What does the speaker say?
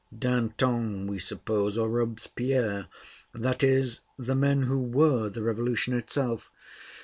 Danton. we suppose, or Robespierre, that is, the men who were the Revolution itself.